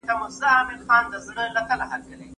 هم ئې زړه کېږي، هم ئې ساړه کېږي.